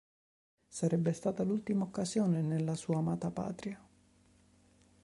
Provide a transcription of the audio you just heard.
Sarebbe stata l'ultima occasione nella sua amata patria.